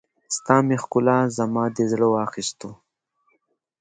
ستا مې ښکلا، زما دې زړه واخيستو